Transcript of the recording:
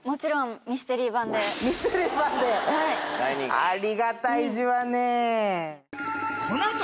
ありがたいじわね！